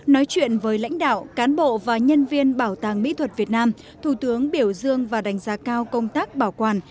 nói chuyện với lãnh đạo cán bộ và nhân viên bảo tàng mỹ thuật việt nam thủ tướng biểu dương và đánh giá cao công tác bảo quản